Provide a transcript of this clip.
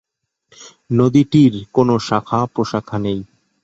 নদীটির কোনো শাখা-প্রশাখা নেই।